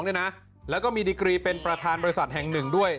แต่อันดับแรกก็คือที่ฉันต้องการที่จะเป็นสะเมียน๒คนค่ะ